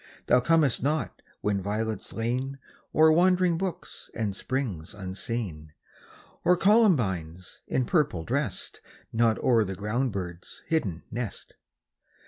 Thou comest not when violets lean O'er wandering brooks and springs unseen, Or columbines, in purple dressed, Nod o'er the ground bird's hidden nest.